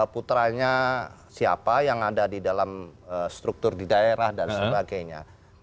putranya siapa yang ada di dalam struktur di daerah dan sebagainya